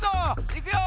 いくよ！